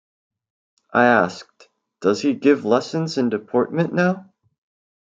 I asked, "Does he give lessons in deportment now?"